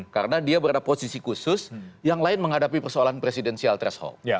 karena dia berada posisi khusus yang lain menghadapi persoalan presidensial threshold